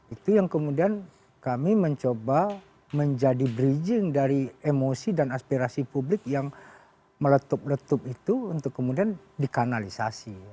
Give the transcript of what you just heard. itu yang kemudian kami mencoba menjadi bridging dari emosi dan aspirasi publik yang meletup letup itu untuk kemudian dikanalisasi